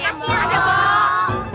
terima kasih ya bu